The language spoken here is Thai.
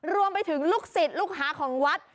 รวมไปถึงลูกศิษย์ลูกหาของวัด